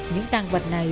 những tăng vật này